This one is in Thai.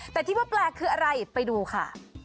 แต่ที่ว่าแปลกคืออะไรไปดูค่ะ